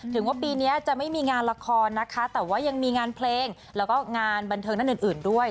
ถึงว่าปีนี้จะไม่มีงานละครนะคะแต่ว่ายังมีงานเพลงแล้วก็งานบันเทิงท่านอื่นด้วย